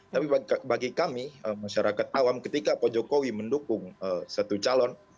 tapi bagi kami masyarakat awam ketika pak jokowi mendukung satu calon